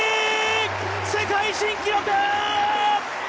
世界新記録！